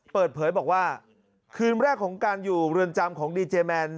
เปิดเผยบอกว่าคืนแรกของการอยู่เรือนจำของดีเจแมน